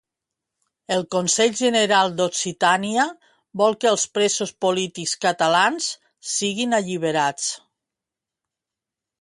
El Consell General d'Occitània vol que els presos polítics catalans siguin alliberats.